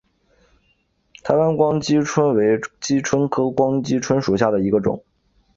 台湾光姬蝽为姬蝽科光姬蝽属下的一个种。